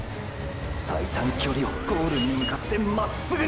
最短距離をゴールに向かってまっすぐに！！